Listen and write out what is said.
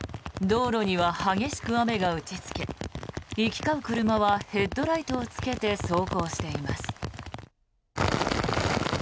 道路には激しく雨が打ちつけ行き交う車はヘッドライトをつけて走行しています。